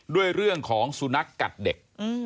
ด้วยเรื่องของสุนัขกัดเด็ก